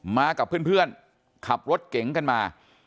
มากับเพื่อนขับรถเก๋งกันมา